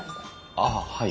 ああはい。